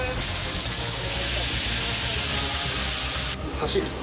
走る。